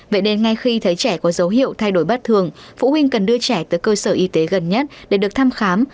vậy nên ngay khi thấy trẻ có dấu hiệu thay đổi bất thường phụ huynh cần đưa trẻ tới cơ sở y tế gần nhất để được thăm khám